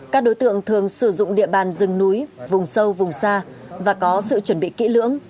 các đối tượng thường sử dụng địa bàn rừng núi vùng sâu vùng xa và có sự chuẩn bị kỹ lưỡng